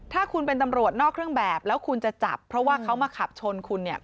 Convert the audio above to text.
ถ้าคุณเป็นตำรวจนอกเครื่องแบบแล้วคุณจะจับเพราะว่าเขามาขับชนคุณเนี่ย